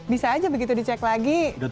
bisa aja begitu dicek lagi